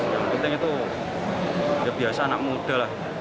yang penting itu ya biasa anak muda lah